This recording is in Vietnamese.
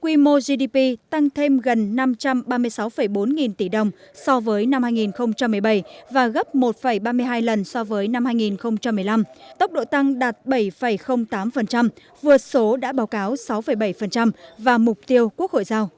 quy mô gdp tăng thêm gần năm trăm ba mươi sáu bốn nghìn tỷ đồng so với năm hai nghìn một mươi bảy và gấp một ba mươi hai lần so với năm hai nghìn một mươi năm tốc độ tăng đạt bảy tám vượt số đã báo cáo sáu bảy và mục tiêu quốc hội giao